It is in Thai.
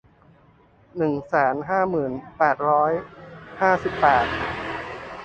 หนึ่งแสนห้าหมื่นแปดร้อยห้าสิบแปด